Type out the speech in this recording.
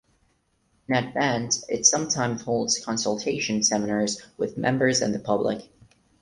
In advance it sometimes holds consultation seminars with members and the public.